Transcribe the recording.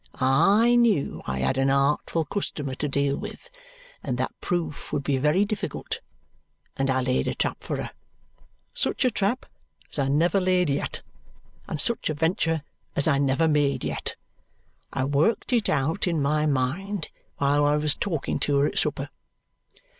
I knew I had an artful customer to deal with and that proof would be very difficult; and I laid a trap for her such a trap as I never laid yet, and such a venture as I never made yet. I worked it out in my mind while I was talking to her at supper.